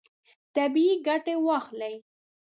طبیعي ګټه واخلئ.